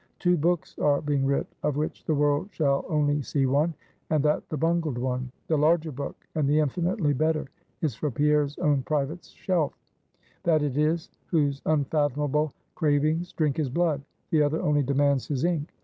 Two books are being writ; of which the world shall only see one, and that the bungled one. The larger book, and the infinitely better, is for Pierre's own private shelf. That it is, whose unfathomable cravings drink his blood; the other only demands his ink.